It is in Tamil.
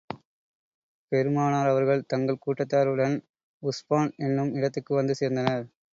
பெருமானார் அவர்கள் தங்கள் கூட்டத்தாருடன் உஸ்பான் என்னும் இடத்துக்கு வந்து சேர்ந்தனர்.